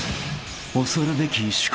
［恐るべき思考